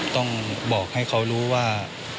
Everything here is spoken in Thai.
ต้องบอกให้เขารู้ว่า